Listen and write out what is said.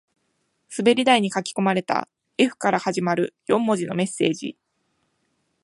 滑り台に書き込まれた Ｆ から始まる四文字のメッセージ